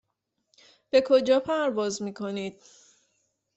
به کجا پرواز میکنید؟